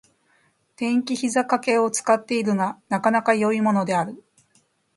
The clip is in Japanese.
電気ひざかけを使っているが、なかなか良いものである。